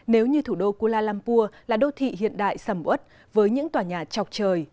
nếu như thủ đô kuala lumpur là đô thị hiện đại sầm út với những tòa nhà trọc trời